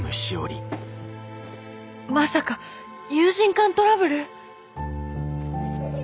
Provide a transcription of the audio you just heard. まさか友人間トラブル！？